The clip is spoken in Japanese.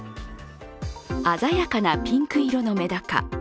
鮮やかなピンク色のメダカ。